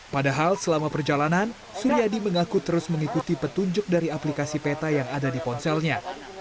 padahal selama perjalanan suryadi mengaku terus mengikuti petunjuk dari aplikasi peta yang ada di ponselnya